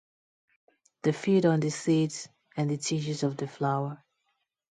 They feed on the seeds and the tissues of the flower.